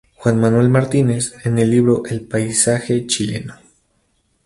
Juan Manuel Martínez, en el libro "El paisaje chileno.